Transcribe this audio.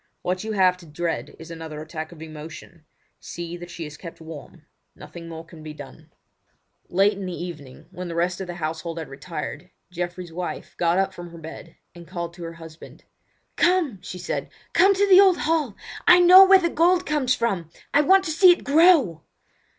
What you have to dread is another attack of emotion. See that she is kept warm. Nothing more can be done." Late in the evening, when the rest of the household had retired, Geoffrey's wife got up from her bed and called to her husband. "Come!" she said. "Come to the old hall! I know where the gold comes from! I want to see it grow!"